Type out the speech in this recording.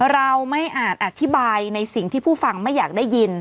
เราไม่อาจอธิบายในสิ่งที่ผู้ฟังไม่อยากได้ยิน